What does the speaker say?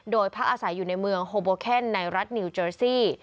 โดยพักอาศัยอยู่ในเมืองโฮโบเคนในรัฐนิวเจอร์ซี่